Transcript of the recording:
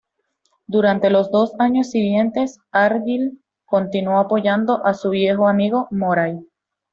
Durante los dos años siguientes, Argyll continuó apoyando a su viejo amigo Moray.